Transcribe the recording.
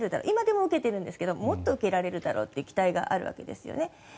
今でも受けているんですがもっと受けられるだろうという期待があるんですね。